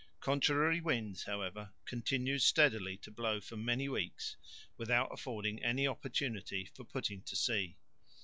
Contrary winds, however, continued steadily to blow for many weeks without affording any opportunity for putting to sea.